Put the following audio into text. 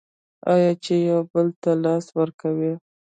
آیا چې یو بل ته لاس ورکوي؟